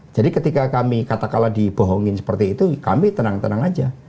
jadi ketika kami katakan dibohongin seperti itu kami tenang tenang saja